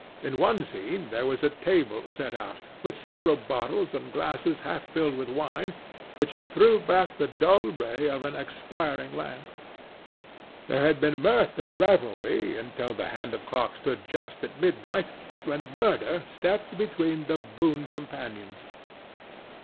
In one scene there was a table set out, with several bottles and glasses half filled with wine, which threw back the dull ray of an expiring lamp. There had been mirth and revelry until the hand of the clock stood just at midnight, when Murder stepped between the boon companions.